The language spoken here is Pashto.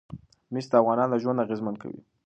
مس د افغانانو ژوند اغېزمن کوي.